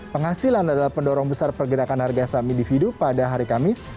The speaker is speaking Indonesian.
penghasilan adalah pendorong besar pergerakan harga saham individu pada hari kamis